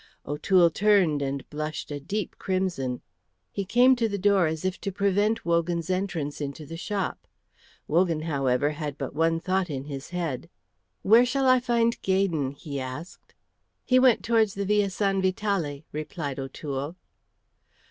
O'Toole turned and blushed a deep crimson. He came to the door as if to prevent Wogan's entrance into the shop. Wogan, however, had but one thought in his head. "Where shall I find Gaydon?" he asked. "He went towards the Via San Vitale," replied O'Toole.